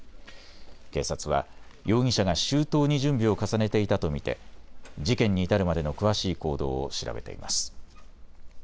警察は容疑者が周到に準備を重ねていたと見て事件に至るまでの詳しい行動を調べています。